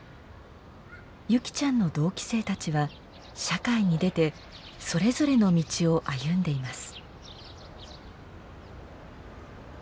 優希ちゃんの同期生たちは社会に出てそれぞれの道を歩んでいます。